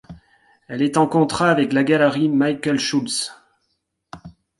Elle est en contrat avec la galerie Michael Schultz.